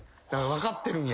分かってるんや。